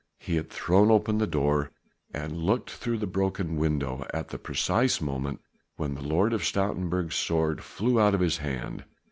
He had thrown open the door, and looked through the broken window at the precise moment when the Lord of Stoutenburg's sword flew out of his hand.